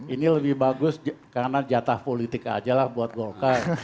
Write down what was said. ini lebih bagus karena jatah politik aja lah buat golkar